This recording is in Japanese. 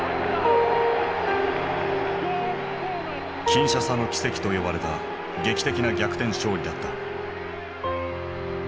「キンシャサの奇跡」と呼ばれた劇的な逆転勝利だった。